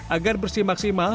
agar bersih maksimal